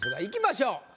いきましょう。